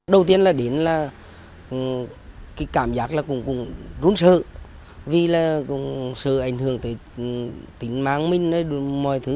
đầu tiên là đến là cái cảm giác là cũng run sợ vì là cũng sợ ảnh hưởng tới tính mạng mình mọi thứ